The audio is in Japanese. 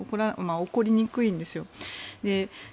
起こりにくいんですよ。